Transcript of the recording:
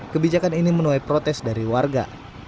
kebijakan ini menuai protes dari warga